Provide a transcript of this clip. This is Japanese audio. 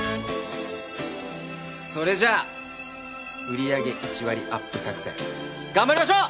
それじゃあ売上１割アップ作戦頑張りましょう！